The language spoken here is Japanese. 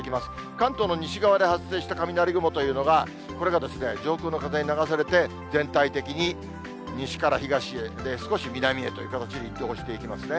関東の西側で発生した雷雲というのが、これが上空の風に流されて、全体的に西から東へ、少し南へという形で移動していきますね。